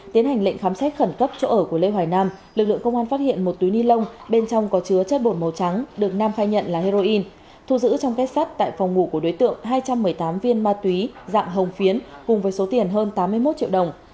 tiến hành lệnh khám xét khẩn cấp chỗ ở của lê hoài nam lực lượng công an phát hiện một túi ni lông bên trong có chứa chất bột màu trắng được nam khai nhận là heroin thu giữ trong kết sắt tại phòng ngủ của đối tượng hai trăm một mươi tám viên ma túy dạng hồng phiến cùng với số tiền hơn tám mươi một triệu đồng